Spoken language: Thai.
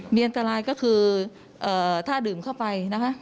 เมียมัณตรายคือถ้าดื่มเข้าไป